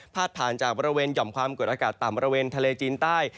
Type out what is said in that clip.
ผ่านจากบริเวณหย่อมความกดอากาศต่ำบริเวณทะเลจีนใต้